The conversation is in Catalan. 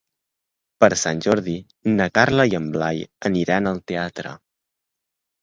Per Sant Jordi na Carla i en Blai aniran al teatre.